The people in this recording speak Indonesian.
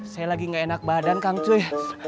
saya lagi gak enak badan kang twe